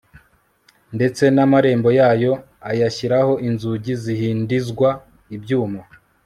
ndetse n'amarembo yayo ayashyiraho inzugi zihindizwa ibyuma